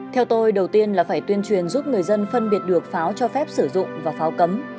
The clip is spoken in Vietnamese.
theo tôi đầu tiên là phải tuyên truyền giúp người dân phân biệt được pháo cho phép sử dụng và pháo cấm